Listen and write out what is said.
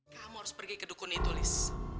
kamu harus pergi ke dukun itu liz